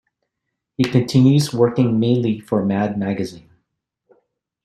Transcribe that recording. He continues working mainly for "Mad" magazine.